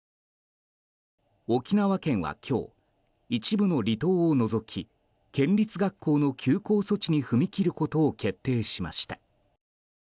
沖縄県は今日一部の離島を除き県立学校の休校措置に踏み切ることを決定しました。